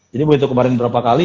jadi begitu kemarin berapa kali